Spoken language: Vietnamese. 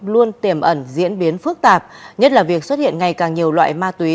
luôn tiềm ẩn diễn biến phức tạp nhất là việc xuất hiện ngày càng nhiều loại ma túy